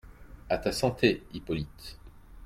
À ta santé, Hippolyte !